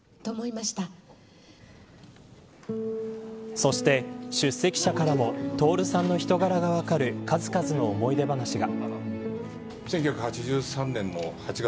そして、出席者からも徹さんの人柄が分かる数々の思い出話が。